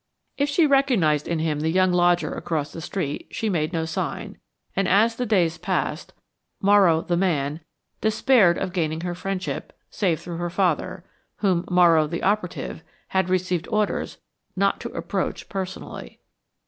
If she recognized in him the young lodger across the street, she made no sign, and as the days passed, Morrow, the man, despaired of gaining her friendship, save through her father, whom Morrow the operative had received orders not to approach personally.